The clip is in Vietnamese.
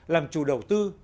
làm chủ đầu tư